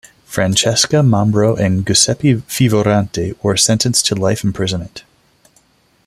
Francesca Mambro and Giuseppe Fioravanti were sentenced to life imprisonment.